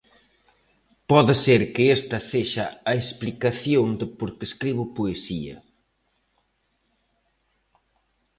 Pode ser que esta sexa a explicación de por que escribo poesía.